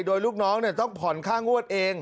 โดยลูกน้องต้องผ่อนค่างวดเอง